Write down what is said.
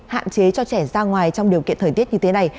hạn chế cho trẻ ra ngoài trong điều kiện thời tiết như thế này